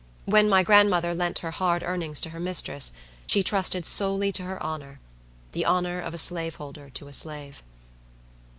When my grandmother lent her hard earnings to her mistress, she trusted solely to her honor. The honor of a slaveholder to a slave!